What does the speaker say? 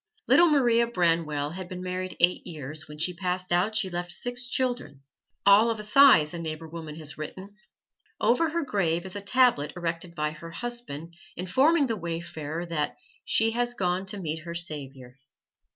Little Maria Branwell had been married eight years; when she passed out she left six children, "all of a size," a neighbor woman has written. Over her grave is a tablet erected by her husband informing the wayfarer that "she has gone to meet her Savior."